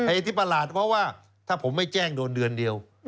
อันที่ปลาหลาดก็ว่าถ้าผมไม่แจ้งโดนเดือนเดียว